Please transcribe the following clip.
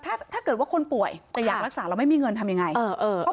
แต่ถ้าถ้าเกิดว่าคนป่วยจะอยากรักษาเราไม่มีเงินทำยังไงเออเออ